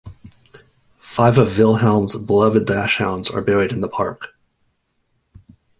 Five of Wilhelm's beloved dachshunds are buried in the park.